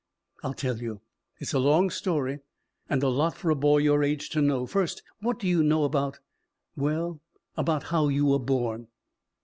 "I'll tell you. It's a long story and a lot for a boy your age to know. First, what do you know about well about how you were born?"